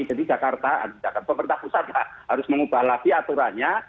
jadi jakarta pemerintah pusat harus mengubah lagi aturannya